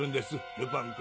ルパン君。